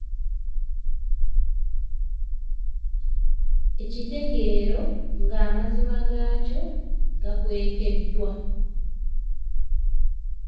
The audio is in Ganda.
Ekitegeero ng'amazima gaakyo gakwekeddwa.